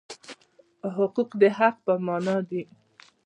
حقوق د حق په مانا دي.